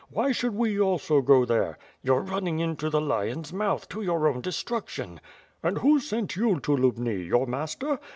Why should we also go there?" 'TTou're running into the lion's mouth; to your own de struction." "And who sent yon to Lubni? Your master?'